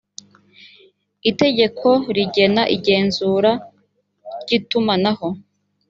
itegeko rigena igenzura ry itumanaho